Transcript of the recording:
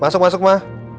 masuk masuk ma